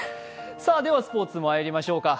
ではスポーツにまいりましょうか。